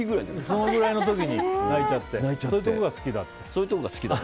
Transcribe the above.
そのぐらいの時に泣いちゃってそういうところが好きだって。